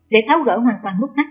để tháo gỡ hoàn toàn mức thắt